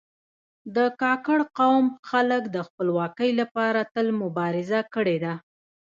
د کاکړ قوم خلک د خپلواکي لپاره تل مبارزه کړې ده.